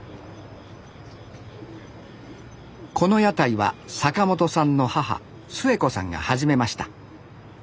この屋台は坂本さんの母スエコさんが始めました。